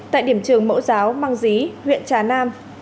tại điểm trường mẫu giáo mang dí huyện trà nam